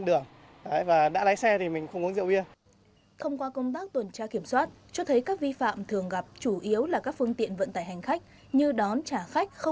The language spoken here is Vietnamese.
đồng thời để lái xe chủ động ý thức trong việc chấp hành các quy định về vận tài hành khách